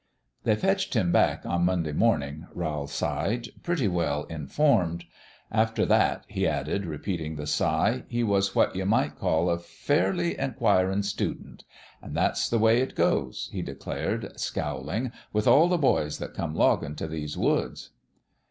" They fetched him back on Monday mornin'," Rowl sighed, " pretty well informed. After that," he added, repeating the sigh, " he was what you might call a fairly inquirin' student. An' that's the way it goes," he declared, scowling, " with all the boys that come loggin' t' these woods."